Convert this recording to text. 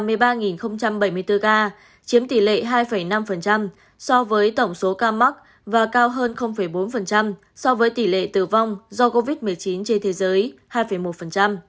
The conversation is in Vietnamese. tổng số ca tử vong do covid một mươi chín tại việt nam tính đến nay là hai mươi ba bảy mươi bốn ca chiếm tỷ lệ hai năm so với tổng số ca mắc và cao hơn bốn so với tỷ lệ tử vong do covid một mươi chín trên thế giới hai một